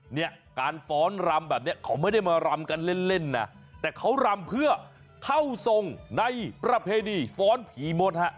เนี่ยการฟ้อนรำแบบนี้เขาไม่ได้มารำกันเล่นเล่นนะแต่เขารำเพื่อเข้าทรงในประเพณีฟ้อนผีมดฮะ